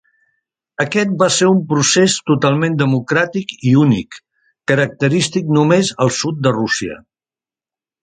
Aquest va ser un procés totalment democràtic i únic, característic només al sud de Rússia.